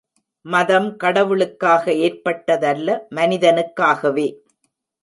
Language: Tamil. மதம் கடவுளுக்காக ஏற்பட்டதல்ல மனிதனுக்காகவே.